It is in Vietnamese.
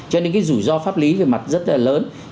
cho nên cái rủi ro pháp lý về mặt rất là lớn